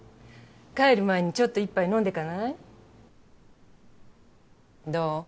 帰る前にちょっと一杯飲んでかない？どう？